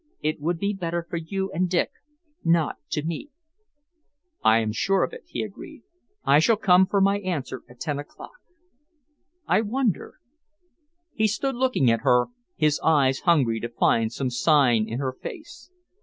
It would be better for you and Dick not to meet." "I am sure of it," he agreed. "I shall come for my answer at ten o'clock. I wonder " He stood looking at her, his eyes hungry to find some sign in her face.